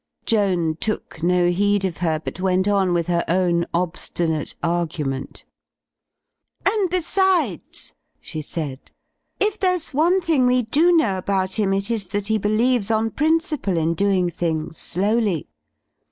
Joan took no heed of her but went on with her own obstinate argument. "And, besides," she said, "if there's one thing we do know about him it is that he believes on principle in doing things slowly.